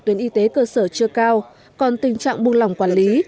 tuyến y tế cơ sở chưa cao còn tình trạng buông lỏng quản lý